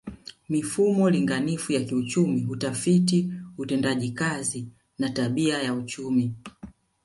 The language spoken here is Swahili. Mifumo linganifu ya kiuchumi hutafiti utendakazi na tabia ya chumi